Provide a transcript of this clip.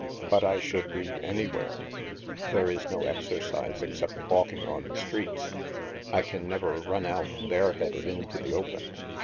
But I should read anywhere. There is no exercise except walk ing on the streets ; I can never run out, bare headed, into the open.